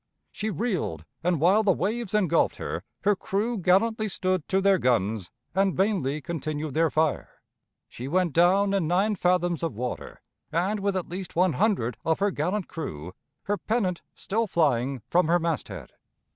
She reeled, and, while the waves ingulfed her, her crew gallantly stood to their guns and vainly continued their fire. She went down in nine fathoms of water, and with at least one hundred of her gallant crew, her pennant still flying from her mast head.